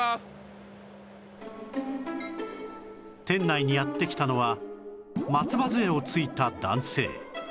店内にやって来たのは松葉杖をついた男性